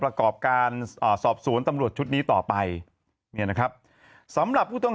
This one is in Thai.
ประกอบการสอบสวนตำรวจชุดนี้ต่อไปเนี่ยนะครับสำหรับผู้ต้อง